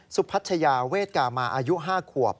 พัชยาเวทกามาอายุ๕ขวบ